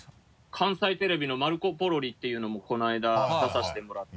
関西テレビの「マルコポロリ！」っていうのもこのあいだ出させてもらって。